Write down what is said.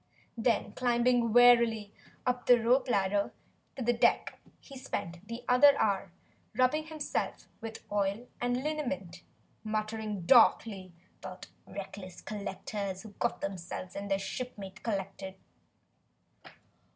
Then climbing wearily up the rope ladder to the deck, he spent another hour rubbing himself with oil and liniment, muttering darkly about reckless collectors who got themselves and their shipmates collected.